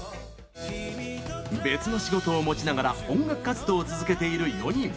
別の仕事を持ちながら音楽活動を続けている４人。